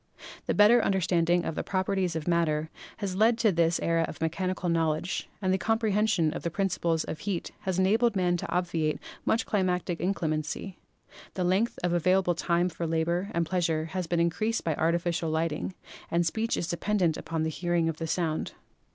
The better understanding of the Properties of Matter has led to this era of Mechanical Knowledge, the comprehension of the principles of heat has enabled man to obviate much climatic inclemency; the length of available time for labor and pleasure has been increased by artificial lighting, and speech is dependent upon the hearing of the Sound.